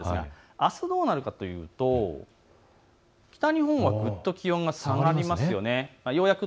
あすどうなるかといいますと北日本はぐっと気温が下がりません。